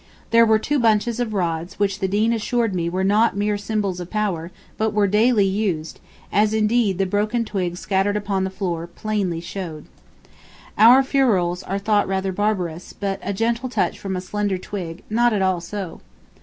There were two bunches of rods, which the Dean assured me were not mere symbols of power, but were daily used, as, indeed, the broken twigs scattered upon the floor plainly showed. Our ferules are thought rather barbarous, but a gentle touch from a slender twig not at all so.